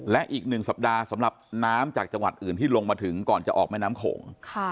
และอีก๑สัปดาห์สำหรับน้ำจากจังหวัดอื่นที่ลงมาถึงก่อนจะออกแม่น้ำโขง